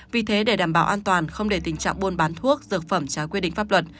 vì thế để đảm bảo an toàn không để tình trạng buôn bán thuốc dược phẩm trái quy định pháp luật